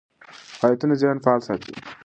فعالیتونه ذهن فعال ساتي.